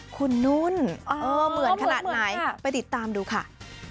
คุณนุ่นเหมือนขนาดไหนไปติดตามดูค่ะ